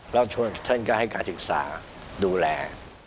แล้วช่วยท่านก็ให้การศึกษาดูแล